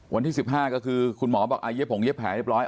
วันที่๑๕ก็คือคุณหมอบอกเย็บผงเย็บแผลเรียบร้อย